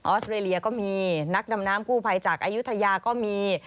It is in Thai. อสเตรเลียก็มีนักดำน้ำกู้ภัยจากอายุทยาก็มี